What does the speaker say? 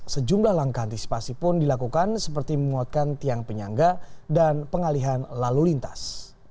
sejumlah langkah antisipasi pun dilakukan seperti menguatkan tiang penyangga dan pengalihan lalu lintas